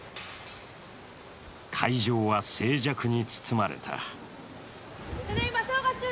会場は静寂に包まれた。